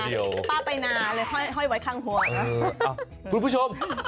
เผื่อมันจะเต้นเออ